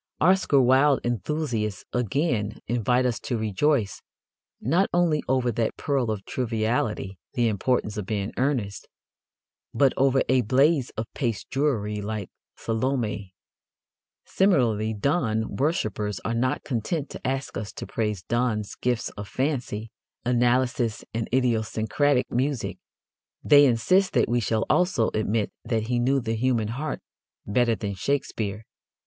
Oscar Wilde enthusiasts, again, invite us to rejoice, not only over that pearl of triviality, The Importance of Being Earnest, but over a blaze of paste jewelry like Salomé. Similarly, Donne worshippers are not content to ask us to praise Donne's gifts of fancy, analysis and idiosyncratic music. They insist that we shall also admit that he knew the human heart better than Shakespeare.